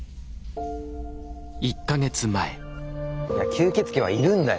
吸血鬼はいるんだよ。